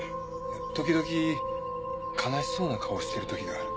時々悲しそうな顔をしているときがある。